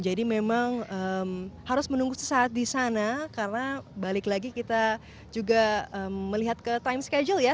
jadi memang harus menunggu sesaat di sana karena balik lagi kita juga melihat ke time schedule ya